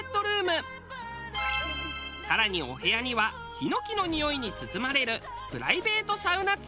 更にお部屋にはヒノキのにおいに包まれるプライベートサウナ付き。